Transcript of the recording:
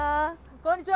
こんにちは。